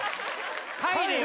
帰れよ。